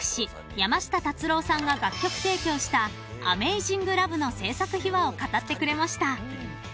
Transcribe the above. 山下達郎さんが楽曲提供した『ＡｍａｚｉｎｇＬｏｖｅ』の制作秘話を語ってくれました］